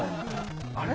あれ？